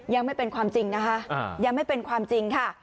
ยังไม่เป็นความจริงนะคะยังไม่เป็นความจริงค่ะ